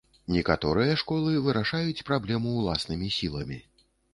Некаторыя школы вырашаюць праблему ўласнымі сіламі.